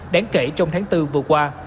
đáng kể trong tháng bốn vừa qua